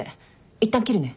いったん切るね。